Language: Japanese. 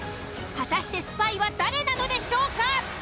果たしてスパイは誰なのでしょうか？